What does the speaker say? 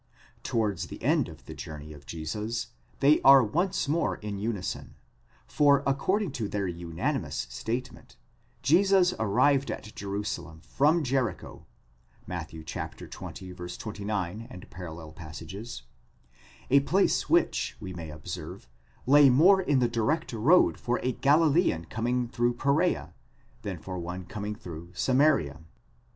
'Towards the end of the journey of Jesus, they are once more in unison, for according to their —_— statement, Jesus arrived at Jerusalem from Jericho (Matt. xx. 29, parall.) ; place which, we may observe, lay more in the direct road for a Galilean com: ing through Pereea, than for one coming through Samaria.